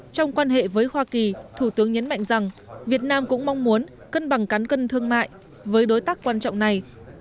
trong quan hệ với hoa kỳ thủ tướng nhấn mạnh rằng việt nam cũng mong muốn cân bằng cán cân thương mại với đối tác quan trọng này